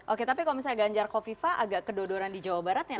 oke tapi kalau misalnya ganjar kofifa agak kedodoran di jawa barat ya